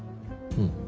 うん。